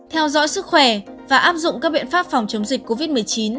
theo dõi sức khỏe và áp dụng các biện pháp phòng chống dịch covid một mươi chín